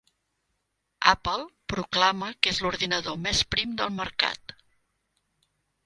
Apple proclama que és l'ordinador més prim del mercat.